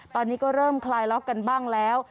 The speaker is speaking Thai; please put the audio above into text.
ตอนนี้ก็เริ่มคลายล็อกกันบ้างแล้ว